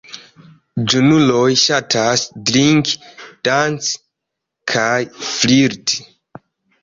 Junuloj ŝatas drinki, danci kaj flirti.